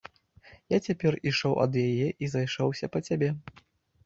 Я цяпер ішоў ад яе і зайшоўся па цябе.